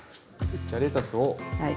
じゃあレタスを。